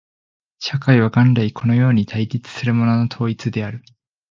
社会は元来このように対立するものの統一である。